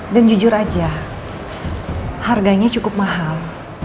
dan jujur aja harganya cukup mahal